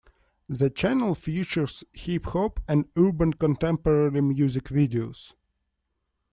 The channel features hip-hop and urban contemporary music videos.